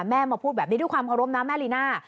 มาพูดแบบนี้ด้วยความเคารพนะแม่ลีน่า